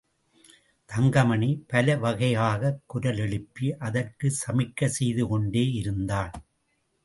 தங்கமணி பல வகையாகக் குரலெழுப்பி அதற்குச் சமிக்கை செய்துகொண்டே இருந்தான்.